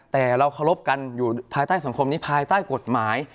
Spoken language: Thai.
แต่เราเคารพกันอยู่ภายใต้สังคมนี้ภายใต้กฎหมาย